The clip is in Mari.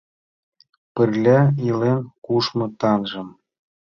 Пырля илен-кушмо таҥжым